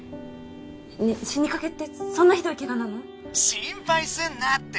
ねっ死にかけってそんなひどいケガなの？心配すんなって。